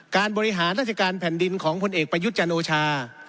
การบริหารราชการแผ่นดินของผลเอกประยุทธ์จันโอชา